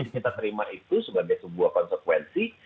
kita terima itu sebagai sebuah konsekuensi